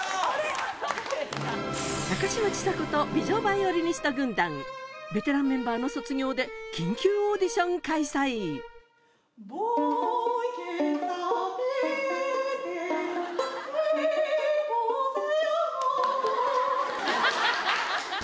高嶋ちさ子と美女バイオリニスト軍団ベテランメンバーの卒業で緊急オーディション開催ハハハ！